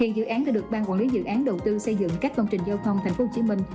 hiện dự án đã được ban quản lý dự án đầu tư xây dựng các công trình giao thông thành phố hồ chí minh